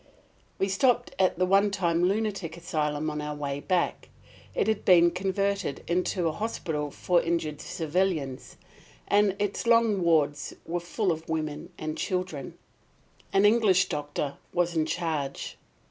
We stopped at the one time lunatic asylum on our way back. It had been converted into a hospital for injured civilians, and its long wards were full of women and children. An English doctor was in charge.